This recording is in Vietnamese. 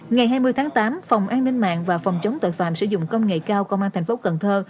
ngày hai mươi tháng tám phòng an ninh mạng và phòng chống tội phạm sử dụng công nghệ cao công an thành phố cần thơ